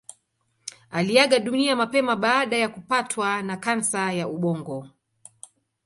Aliaga dunia mapema baada ya kupatwa na kansa ya ubongo.